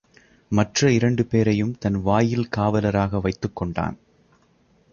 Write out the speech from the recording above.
மற்ற இரண்டு பேரையும் தன் வாயில் காவலராக வைத்துக் கொண்டான்.